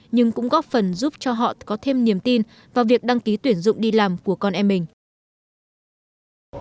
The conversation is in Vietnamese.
nhưng cũng góp phần giúp cho họ có thêm niềm tin vào việc đăng ký tuyển dụng đi làm của con em mình